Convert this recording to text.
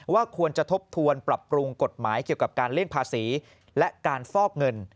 ว่าควรจะทบทวนปรับปรุงกฎหมายเกี่ยวกับการเลี่ยงภาษีและการฟอกเงิน